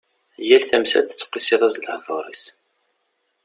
Yal tamsalt tettqisiḍ-as-d lehdur-is.